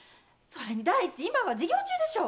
第一今は授業中でしょう？